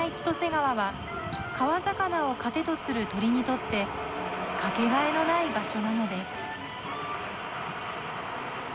千歳川は川魚を糧とする鳥にとって掛けがえのない場所なのです。